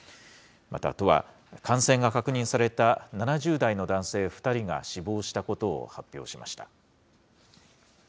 また都は、感染が確認された７０代の男性２人が死亡したことを発表しました。